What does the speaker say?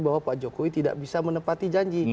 bahwa pak jokowi tidak bisa menepati janji